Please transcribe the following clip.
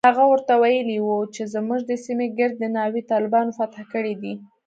هغه ورته ويلي و چې زموږ د سيمې ګردې ناوې طالبانو فتح کړي دي.